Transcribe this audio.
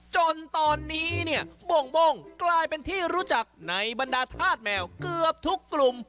จนตอนนี้เนี่ยโบ่งกลายเป็นที่รู้จักในบรรดาธาตุแมวเกือบทุกกลุ่ม